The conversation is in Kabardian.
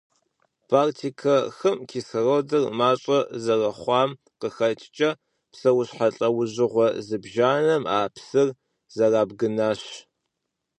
Балтийскэ хым кислородыр мащӀэ зэрыщыхъуам къыхэкӀкӀэ, псэущхьэ лӀэужьыгъуэ зыбжанэм а псыр зэрабгынащ.